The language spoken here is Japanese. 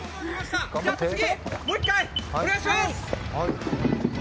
次、もう一回お願いします。